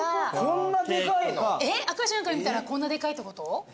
えっ赤ちゃんから見たらこんなでかいってこと？